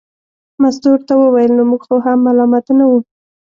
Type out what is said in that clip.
مستو ورته وویل نو موږ خو هم ملامته نه وو.